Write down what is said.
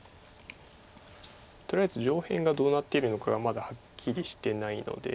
とりあえず上辺がどうなっているのかがまだはっきりしてないので。